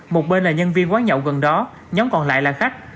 một bên là nhân viên quán nhậu gần đó nhóm còn lại là khách